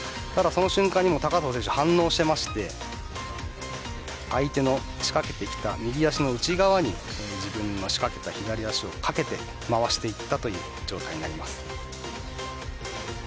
その瞬間に反応していて相手の仕掛けてきた右足の内側に自分の仕掛けた左足を掛けて回していったという状態になります。